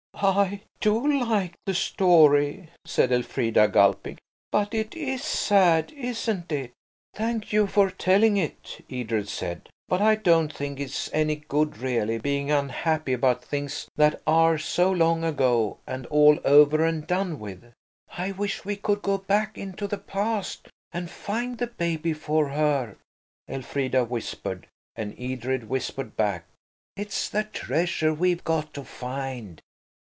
"I do like the story," said Elfrida, gulping, "but it is sad, isn't it?" "Thank you for telling it," Edred said; "but I don't think it's any good, really, being unhappy about things that are so long ago, and all over and done with." "I wish we could go back into the past and find the baby for her," Elfrida whispered–and Edred whispered back– "It's the treasure we've got to find.